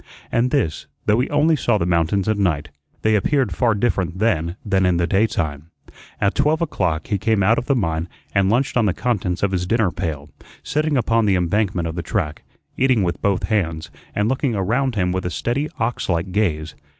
And this, though he only saw the mountains at night. They appeared far different then than in the daytime. At twelve o'clock he came out of the mine and lunched on the contents of his dinner pail, sitting upon the embankment of the track, eating with both hands, and looking around him with a steady ox like gaze.